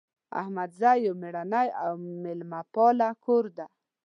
احمدزی یو میړنۍ او میلمه پاله کور ده